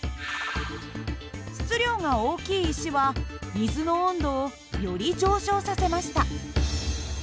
質量が大きい石は水の温度をより上昇させました。